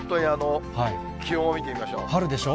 春でしょ？